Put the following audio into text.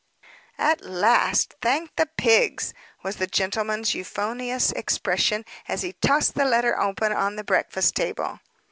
"At last, thank the pigs!" was the gentleman's euphonious expression, as he tossed the letter, open, on the breakfast table.